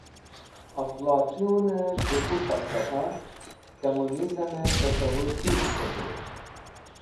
Aflatoon e de k̃hu falsafa Kamunizm e tassawu pish k̃hetu.